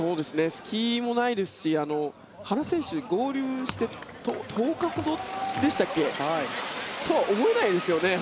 隙もないですし原選手、合流して１０日ほどとは思えないですよね